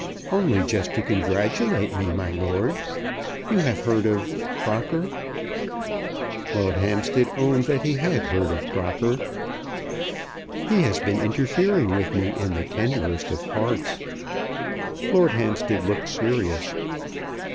"Only just to congratulate me, my lord. You have heard of Crocker?" Lord Hampstead owned that he had heard of Crocker. "He has been interfering with me in the tenderest of parts." Lord Hampstead looked serious.